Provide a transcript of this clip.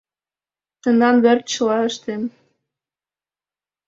Тендан верч чыла ыштем...